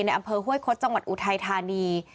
อำเภอห้วยคดจังหวัดอุทัยธานี